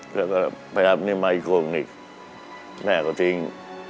ถ้าก็ไปรับมาอีกโครงอีกแหม่ก็ทิ้ง